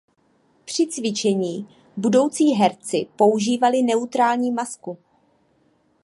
Při cvičení budoucí herci používali neutrální masku.